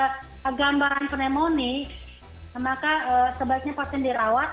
kalau gambaran pneumonia maka sebaiknya pasien dirawat